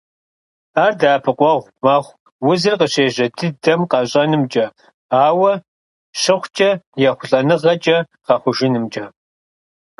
Ар дэӀэпыкъуэгъу мэхъу узыр къыщежьэ дыдэм къэщӀэнымкӀэ, ауэ щыхъукӀэ, ехъулӀэныгъэкӀэ гъэхъужынымкӀэ.